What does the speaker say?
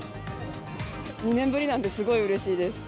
２年ぶりなんで、すごいうれしいです。